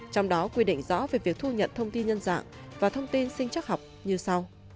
trong đó quy định rõ về việc thu nhận thông tin nhân dạng và thông tin sinh chắc học như sau